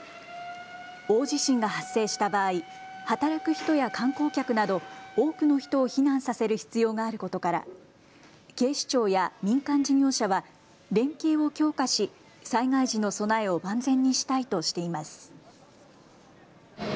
大地震が発生した場合、働く人や観光客など多くの人を避難させる必要があることから警視庁や民間事業者は連携を強化し災害時の備えを万全にしたいとしています。